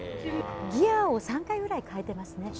ギアを３回ぐらい変えてますね。